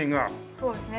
そうですね。